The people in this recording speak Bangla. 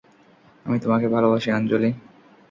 আমি তোমাকে ভালবাসি আঞ্জলি।